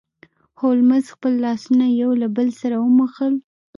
هولمز خپل لاسونه یو له بل سره وموښل.